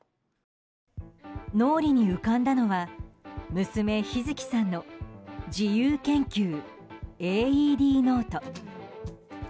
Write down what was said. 脳裏に浮かんだのは娘・陽月さんの自由研究ＡＥＤノート。